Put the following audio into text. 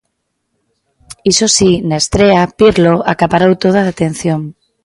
Iso si, na estrea, Pirlo acaparou toda a atención.